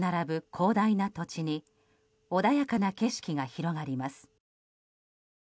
広大な土地に穏やかな景色が広がります。